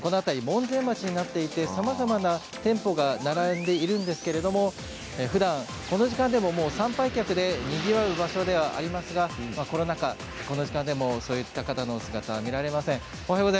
門前町になっていてさまざまな店舗が並んでいるんですけれどもふだん、この時間でも参拝客でにぎわう場所ではありますがコロナ禍、この時間でもそういった方の姿は見られません。